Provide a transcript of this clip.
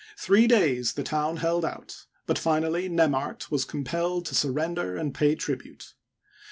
Three days the town held out ; but finally Nemart was compelled to surrender and pay tribute.